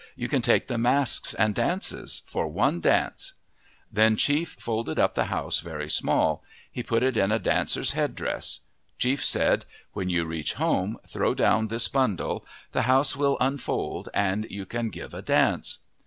You can take the masks and dances, for one dance." Then Chief folded up the house very small. He put it in a dancer's headdress. Chief said, " When you reach home, throw down this bundle. The house will unfold and you can give a dance."